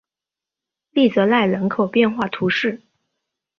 利泽赖人口变化图示